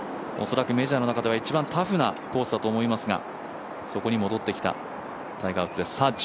恐らくメジャーの中では一番タフだと思いますがそこに戻ってきたタイガー・ウッズです。